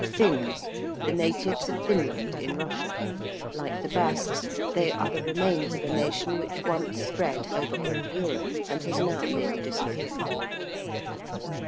~Finns~: the natives of Finland in Russia. Like the Basques, they are the remains of a nation which once spread over all Europe, and has now nearly disappeared.